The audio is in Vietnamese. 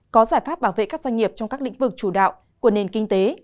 có giải pháp bảo vệ các doanh nghiệp trong các lĩnh vực chủ đạo của nền kinh tế